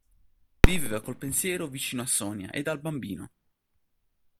Viveva col pensiero vicino a Sonia ed al bambino.